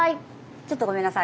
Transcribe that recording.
ちょっとごめんなさい。